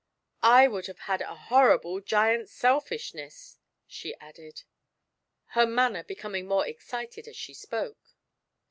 I would have had a horrible Giant Selfishness !" she added, her manner becoming more excited as she spoke.